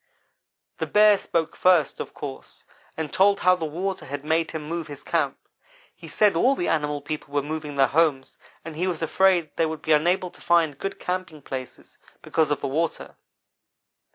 "The Bear spoke first, of course, and told how the water had made him move his camp. He said all the animal people were moving their homes, and he was afraid they would be unable to find good camping places, because of the water.